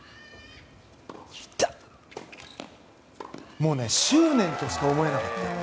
もう、執念としか思えなかった。